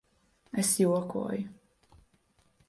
Es jokoju.